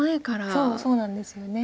そうなんですよね。